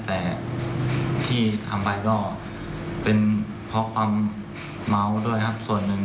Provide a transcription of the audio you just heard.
แต่ที่ทำไปก็เป็นเพราะความเมาด้วยครับส่วนหนึ่ง